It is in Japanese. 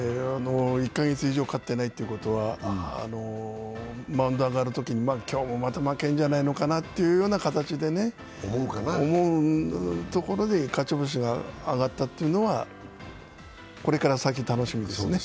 １カ月以上勝ってないということは、マウンド上がるとき今日もまた負けるんじゃないのかなというような形で思うところで勝ち星が上がったというのは、これから先、楽しみですね。